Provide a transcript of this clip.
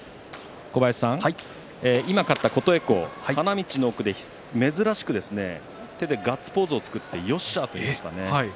今勝った琴恵光花道の奥で珍しく手でガッツポーズを作ってよっしゃと言いました。